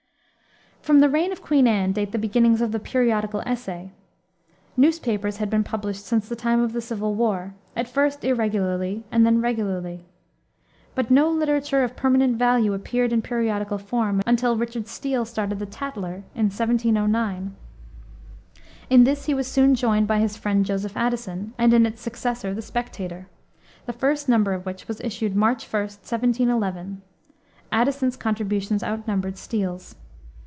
From the reign of Queen Anne date the beginnings of the periodical essay. Newspapers had been published since the time of the Civil War; at first irregularly, and then regularly. But no literature of permanent value appeared in periodical form until Richard Steele started the Tatler, in 1709. In this he was soon joined by his friend, Joseph Addison and in its successor the Spectator, the first number of which was issued March 1, 1711, Addison's contributions outnumbered Steele's.